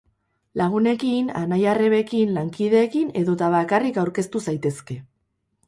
Lagunekin, anai-arrebekin, lankideekin edota bakarrik aurkeztu zaitezke.